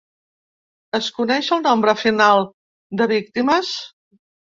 Es coneix el nombre final de víctimes?